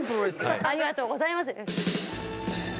ありがとうございます。